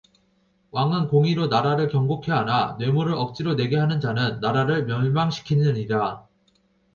왕은 공의로 나라를 견고케 하나 뇌물을 억지로 내게 하는 자는 나라를 멸망시키느니라